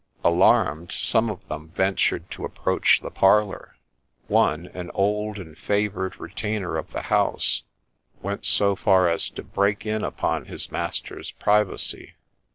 Alarmed, some of them ventured to approach the parlour ; one, an old and favoured retainer of the house, went so far as to break in upon his master's privacy.